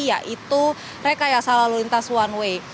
yaitu rekaya salur lintas one way